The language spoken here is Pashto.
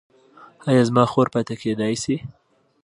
ایا زما خور پاتې کیدی شي؟